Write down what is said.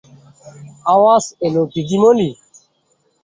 আওয়াজ এল, দিদিমণি।